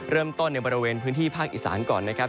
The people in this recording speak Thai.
เริ่มต้นในบริเวณพื้นที่ภาคอีสานก่อนนะครับ